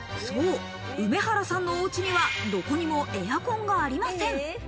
そう、梅原さんのお家には、どこにもエアコンがありません。